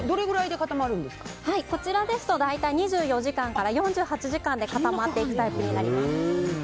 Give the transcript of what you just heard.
こちらですと大体、２４時間から４８時間で固まっていくタイプになります。